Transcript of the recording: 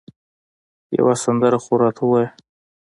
یوه سندره خو راته ووایه